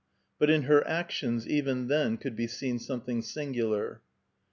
But in her actions even then could be seen something singular.